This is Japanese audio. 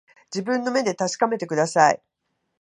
自分の目で確かめてください